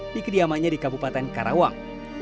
dikediamannya di kabupaten karawang